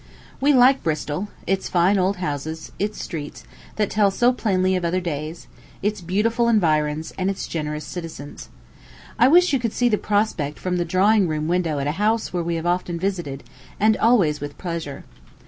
We like Bristol its fine old houses, its streets, that tell so plainly of other days, its beautiful environs, and its generous citizens. I wish you could see the prospect from the drawing room window at a house where we have often visited, and always with pleasure.